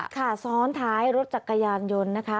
ค่ะซ้อนท้ายรถจักรยานยนต์นะคะ